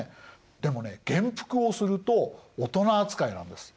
でもね元服をすると大人扱いなんです。